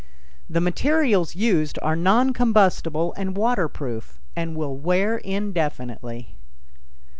The materials used are non combustible and water proof, and will wear indefinitely.